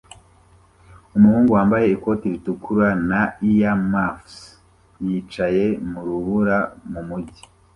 Umuhungu wambaye ikoti ritukura na earmuffs yicaye mu rubura mumujyi